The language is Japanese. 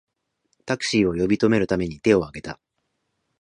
タクシーを呼び止めるために手をあげた